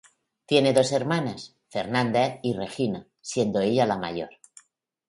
Tiene dos hermanas: Fernanda y Regina, siendo ella la mayor.